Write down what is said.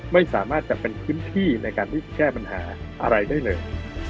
ไม่สามารถจะเป็นพื้นที่ในการที่แก้ปัญหาอะไรได้เลย